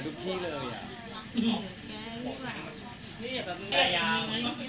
ขอขอมขอขอมขอม